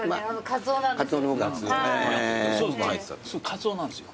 カツオなんですよ。